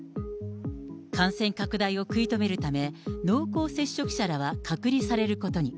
感染拡大を食い止めるため、濃厚接触者らは隔離されることに。